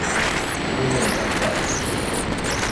urue batade